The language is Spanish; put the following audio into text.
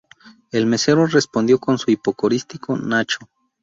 El mesero respondió con su hipocorístico "Nacho".